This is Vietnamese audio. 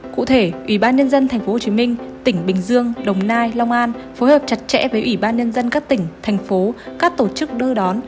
cụ thể ủy ban nhân dân tp hcm tỉnh bình dương đồng nai long an phối hợp chặt chẽ với ủy ban nhân dân các tỉnh thành phố các tổ chức đưa đón